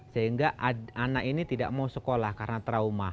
sehingga anak ini tidak mau sekolah karena trauma